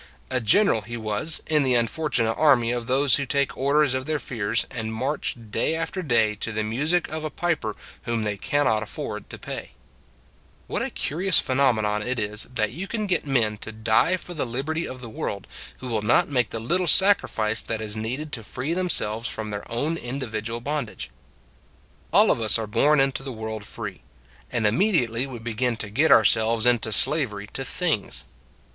A general, he was, in the unfortunate army of those who take orders of their fears, and march day after day to the music of a piper whom they can not afford to pay. 130 It s a Good Old World What a curious phenomenon it is that you can get men to die for the liberty of the world who will not make the little sacrifice that is needed to free themselves from their own individual bondage. All of us are born into the world free : and immediately we begin to get ourselves into slavery to things.